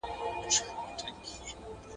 د پښتانه بېره په سترگو کي ده.